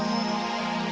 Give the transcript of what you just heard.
terima kasih ya